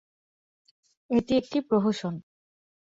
এটি একটি প্রহসন।